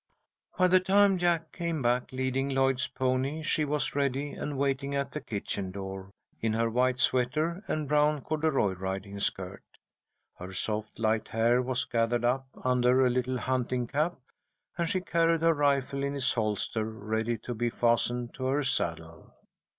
By the time Jack came back leading Lloyd's pony, she was ready and waiting at the kitchen door, in her white sweater and brown corduroy riding skirt. Her soft, light hair was gathered up under a little hunting cap, and she carried her rifle in its holster, ready to be fastened to her saddle.